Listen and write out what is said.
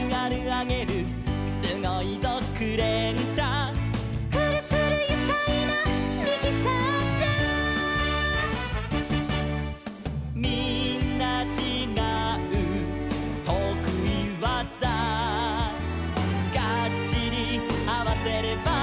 「すごいぞクレーンしゃ」「くるくるゆかいなミキサーしゃ」「みんなちがうとくいわざ」「ガッチリあわせれば」